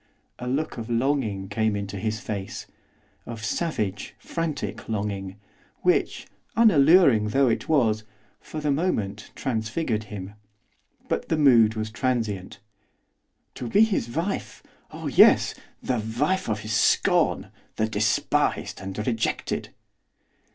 A look of longing came into his face of savage, frantic longing which, unalluring though it was, for the moment transfigured him. But the mood was transient. 'To be his wife, oh yes! the wife of his scorn! the despised and rejected!